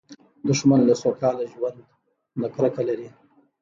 دښمن له سوکاله ژوند نه کرکه لري